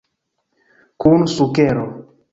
Kun sukero.